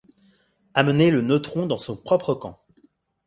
Amener le neutron dans son propre camp.